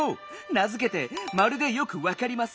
なづけて「まるでよくわかりマス」。